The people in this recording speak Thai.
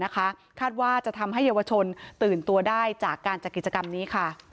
คาดว่าจะทำให้เยาวชนตื่นตัวได้จากการจัดกิจกรรมนี้ค่ะ